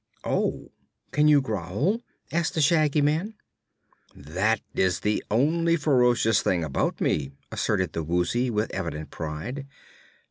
"Oh; can you growl?" asked the Shaggy Man. "That is the only ferocious thing about me," asserted the Woozy with evident pride.